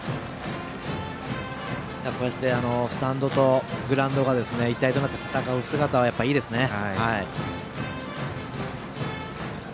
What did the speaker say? こうして、スタンドとグラウンドが一体となって戦う姿は、やっぱりいいですね。